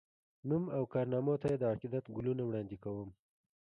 نوم او کارنامو ته یې د عقیدت ګلونه وړاندي کوم